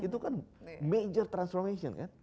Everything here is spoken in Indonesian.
itu kan major transformation kan